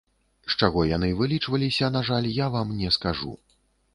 З чаго яны вылічваліся, на жаль, я вам не скажу.